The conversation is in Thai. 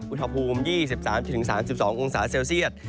อุณหภูมิ๒๓๓๒องศาเซลเซียต